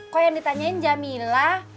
kok yang ditanyain jamila